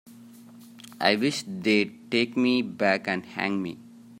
I wish they'd take me back and hang me.